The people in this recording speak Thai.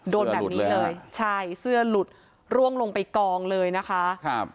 โดนแบบนี้เลยใช่เสื้อหลุดร่วงลงไปกองเลยนะคะครับ